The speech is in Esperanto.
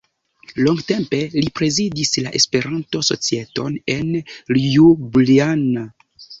Longtempe li prezidis la Esperanto-societon en Ljubljana.